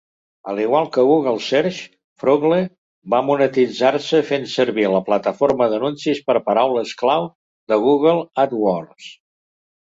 Al igual que Google Search, Froogle va monetitzar-se fent servir la plataforma d'anuncis per paraules clau de Google AdWords.